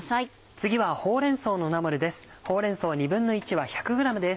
次はほうれん草のナムルです。